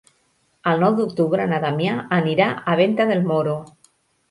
El nou d'octubre na Damià anirà a Venta del Moro.